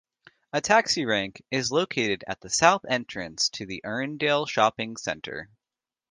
A taxi rank is located the south entrance to the Erindale Shopping Centre.